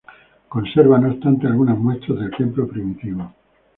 Conserva, no obstante, algunas muestras del templo primitivo.